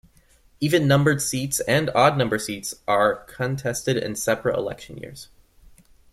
Even numbered seats and odd numbered seats are contested in separate election years.